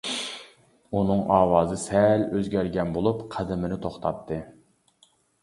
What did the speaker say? ئۇنىڭ ئاۋازى سەل ئۆزگەرگەن بولۇپ قەدىمىنى توختاتتى.